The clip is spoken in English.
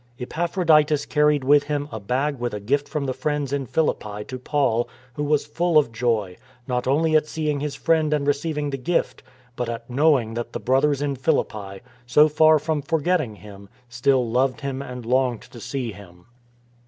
Epaphroditus carried with him a bag with a gift from the friends in Philippi to Paul, who was full of joy, not only at seeing his friend and receiving the gift, but at knowing that the Brothers in Philippi, so far from forgetting him, still loved him and longed to see him.